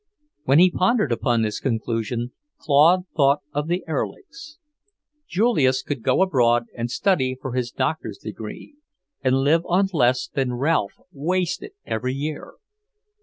When he pondered upon this conclusion, Claude thought of the Erlichs. Julius could go abroad and study for his doctor's degree, and live on less than Ralph wasted every year.